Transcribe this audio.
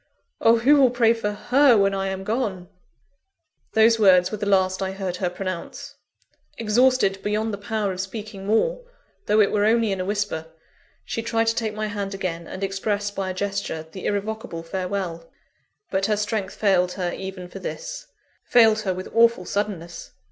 _ oh! who will pray for her when I am gone?" Those words were the last I heard her pronounce. Exhausted beyond the power of speaking more, though it were only in a whisper, she tried to take my hand again, and express by a gesture the irrevocable farewell. But her strength failed her even for this failed her with awful suddenness.